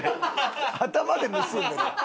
頭で盗んでる。